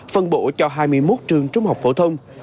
phân bộ cho hai mươi học sinh phân bộ cho hai mươi học sinh